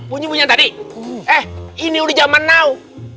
ini punya tadi eh ini udah zaman now